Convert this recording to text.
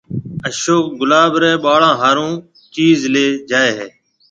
اشوڪ گلاب رَي ٻاݪو ھارو چيز ليَ جائيَ ھيََََ